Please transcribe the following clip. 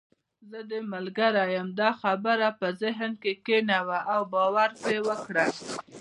زه دې ملګرې یم، دا خبره په ذهن کې کښېنوه او باور پرې وکړه.